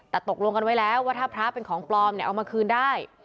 แต่ตกลงกันไว้แล้วว่าถ้าพระเป็นของปลอมเนี่ยเอามาคืนได้